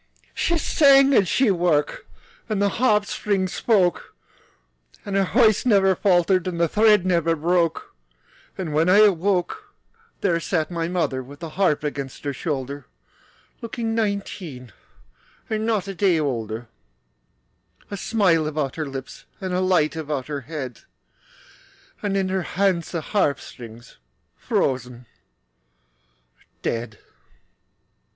She sang as she worked, And the harp strings spoke; Her voice never faltered, And the thread never broke. And when I awoke,– There sat my mother With the harp against her shoulder Looking nineteen And not a day older, A smile about her lips, And a light about her head, And her hands in the harp strings Frozen dead.